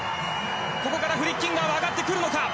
ここからフリッキンガーが上がってくるのか。